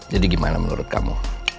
jadi gimana menurut kamu